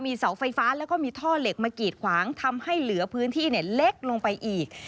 เสาไฟฟ้าแล้วก็มีท่อเหล็กมากีดขวางทำให้เหลือพื้นที่เล็กลงไปอีก